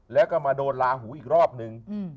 แล้วก็มาโดนลาหูอีกรอบนึง